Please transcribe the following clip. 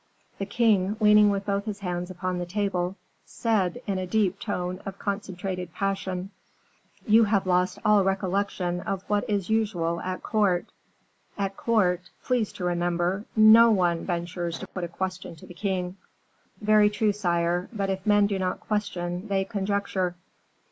The king, leaning with both his hands upon the table, said, in a deep tone of concentrated passion: "You have lost all recollection of what is usual at court. At court, please to remember, no one ventures to put a question to the king." "Very true, sire; but if men do not question, they conjecture."